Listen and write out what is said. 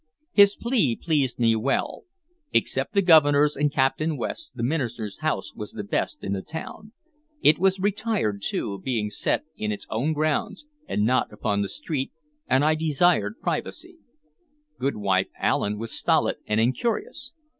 His plea pleased me well. Except the Governor's and Captain West's, the minister's house was the best in the town. It was retired, too, being set in its own grounds, and not upon the street, and I desired privacy. Goodwife Allen was stolid and incurious.